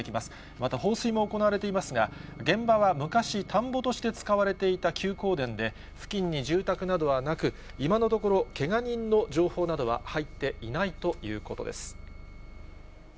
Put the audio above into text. また、放水も行われていますが、現場は昔、田んぼとして使われていた休耕田で、付近に住宅などはなく、今のところ、けが人の情報などは入っていないということです。